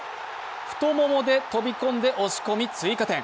太ももで飛び込んで押し込み、追加点。